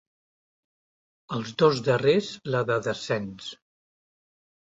Els dos darrers la de descens.